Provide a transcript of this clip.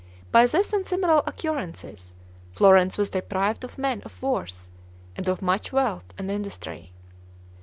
By this and similar occurrences, Florence was deprived of men of worth, and of much wealth and industry.